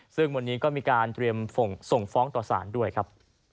ซึ่งวันนี้ก็มีการเตรียมส่งฟ้องต่อสารด้วยครับ